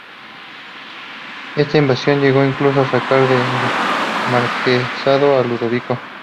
Esta invasión llegó incluso a sacar del marquesado a Ludovico.